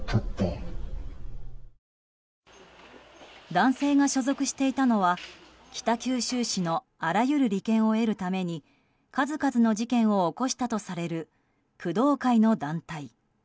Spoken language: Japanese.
男性が所属していたのは北九州市のあらゆる利権を得るために数々の事件を起こしたとされる工藤会の団体。